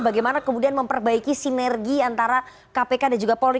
bagaimana kemudian memperbaiki sinergi antara kpk dan juga polri